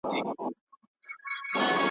عمرونه وسول په تیارو کي دي رواني جرګې `